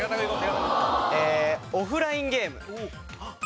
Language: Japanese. えーオフラインゲーム。